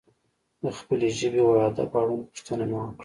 د خپلې ژبې و ادب اړوند پوښتنه مې وکړه.